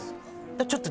ちょっと。